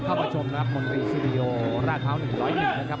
เข้ามาชมนะครับมนตรีสิริโอราชเผา๑๐๑นะครับ